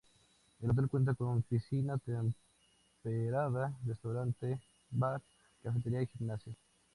El hotel cuenta con piscina temperada, restaurante, bar, cafetería y gimnasio.